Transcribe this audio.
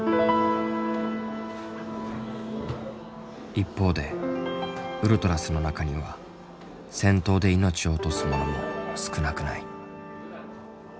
一方でウルトラスの中には戦闘で命を落とす者も少なくない。